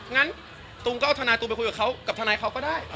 งั้นตูมก็เอาทนายตูมไปคุยกับเขากับทนายเขาก็ได้